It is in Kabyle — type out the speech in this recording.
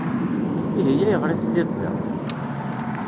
Ihi ayɣer i telliḍ da?